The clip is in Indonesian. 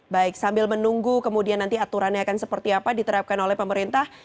baik sambil menunggu kemudian nanti aturannya akan seperti apa diterapkan oleh pemerintah